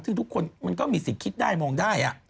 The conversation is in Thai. ซึ่งทุกคนมันก็มีสิทธิ์คิดได้มองได้